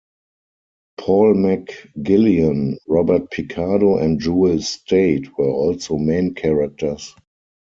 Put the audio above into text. Paul McGillion, Robert Picardo and Jewel Staite were also main characters.